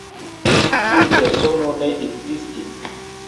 Tiu persono ne ekzistis.